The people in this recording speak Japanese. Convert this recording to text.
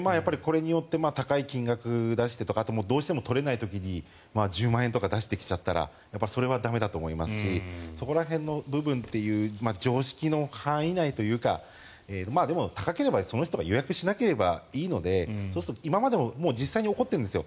これによって高い金額を出してとかあとはどうしても取れない時に１０万円とか出してきたらそれは駄目だと思いますしそこら辺の常識の範囲内というかでも高ければその人が予約しなければいいので今までも実際残っているんですよ。